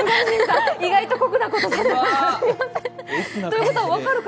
意外と酷なことをする。